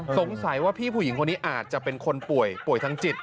สงสัยว่าพี่ผู้หญิงคนนี้อาจจะเป็นคนป่วยป่วยทางจิต